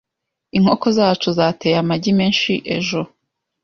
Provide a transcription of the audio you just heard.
Inkoko zacu zateye amagi menshi ejo .